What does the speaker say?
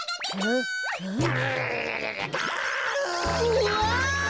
うわ！